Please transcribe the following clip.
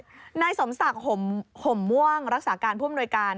นายสมศักดิ์ห่มม่วงรักษาการผู้อำนวยการ